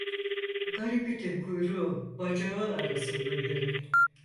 Garip itin kuyruğu bacağı arasında gerek.